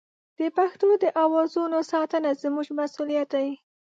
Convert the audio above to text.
د پښتو د اوازونو ساتنه زموږ مسوولیت دی.